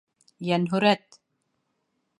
Йәнһүрәт!